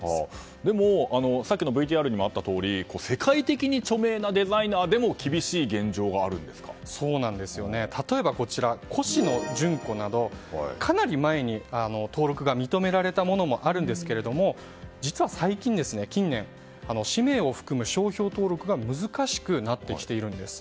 でもさっきのＶＴＲにもあったとおり世界的に著名なデザイナーでも例えばコシノジュンコなどかなり前に登録が認められたものもあるんですが実は最近、近年氏名を含む商標登録が難しくなってきているんです。